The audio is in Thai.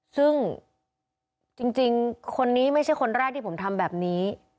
ซึ่งจริงคนนี้ไม่ใช่คนแรกที่ผมทำแบบนี้